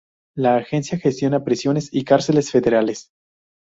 La agencia gestiona prisiones y cárceles federales.